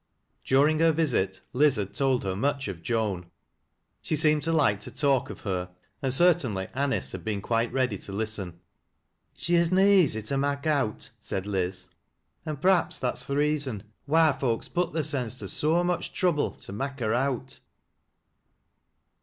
During her visit, Liz had told her much of Joan. She seemed to like to talk of her, and certainly Anice had been quite ready to listen. " She is oa easy to mak' out,'*' said Liz, "an' pVaps that's th' reason why folks puts theirsens to so much trouble to mak' her out."